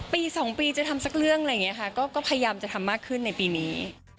ปี๒ปีจะทำสักเรื่องอะไรอย่างนี้ค่ะก็พยายามจะทำมากขึ้นในปีนี้